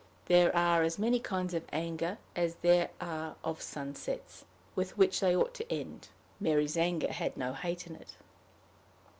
There are as many kinds of anger as there are of the sunsets with which they ought to end: Mary's anger had no hate in it.